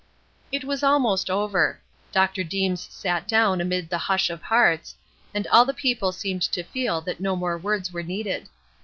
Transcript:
It was almost over. Dr. Deems sat down amid the hush of hearts, and all the people seemed to feel that no more words were needed.